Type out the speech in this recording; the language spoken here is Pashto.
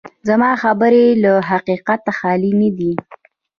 زما خبرې له حقیقته خالي نه دي.